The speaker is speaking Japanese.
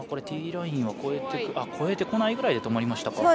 ティーラインを越えてこないくらいで止まりました。